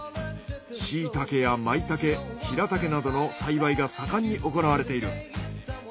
シイタケやマイタケヒラタケなどの栽培が盛んに行われている。